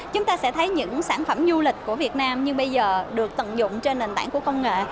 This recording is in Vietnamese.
chúng ta sẽ thấy những sản phẩm du lịch của việt nam như bây giờ được tận dụng trên nền tảng của công nghệ